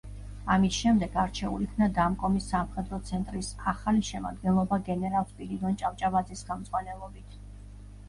ამის შემდეგ არჩეულ იქნა „დამკომის“ სამხედრო ცენტრის ახალი შემადგენლობა გენერალ სპირიდონ ჭავჭავაძის ხელმძღვანელობით.